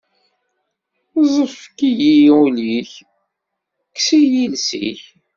Ẓefk-iyi ul-ik, kkes-iyi iles-ik.